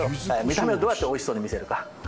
見た目をどうやって美味しそうに見せるか。